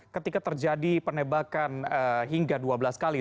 ketika terjadi penembakan hingga dua belas kali